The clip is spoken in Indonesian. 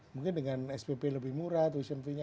mungkin dengan spp lebih murah tuition fee nya